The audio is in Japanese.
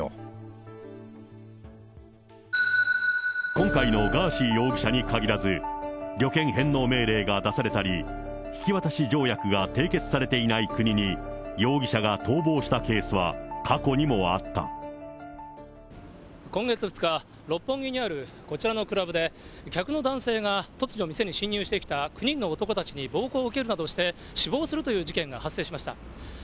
今回のガーシー容疑者に限らず、旅券返納命令が出されたり、引き渡し条約が締結されていない国に容疑者が逃亡したケースは、今月２日、六本木にあるこちらのクラブで、客の男性が突如店に進入してきた９人の男たちに暴行をされるなどして死亡するという事件が発生しました。